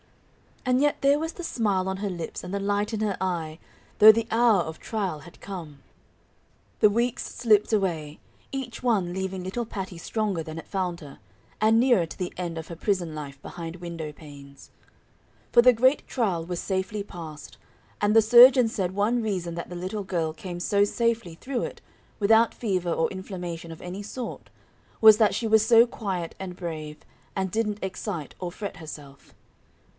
And yet there was the smile on her lips and the light in her eye, though the hour of trial had come! The weeks slipped away, each one leaving little Patty stronger than it found her, and nearer to the end of her prison life behind window panes. For the great trial was safely passed, and the surgeon said one reason that the little girl came so safely through it, without fever or inflammation of any sort, was that she was so quiet and brave, and didn't excite or fret herself.